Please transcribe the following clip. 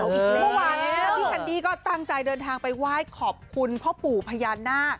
ประมาณนี้พี่การดีก็ตั้งใจเดินทางไปไหว้ขอบคุณพ่อปู่พญานาก